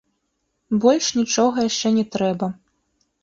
Больш нічога яшчэ не трэба.